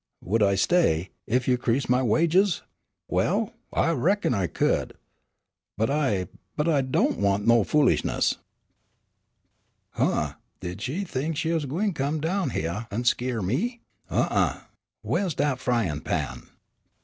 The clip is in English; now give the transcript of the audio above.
"Would I stay, ef you 'crease my wages? Well I reckon I could, but I but I do' want no foolishness." (Sola.) "Huh! Did she think she was gwine to come down hyeah an' skeer me, huh, uh? Whaih's dat fryin' pan?"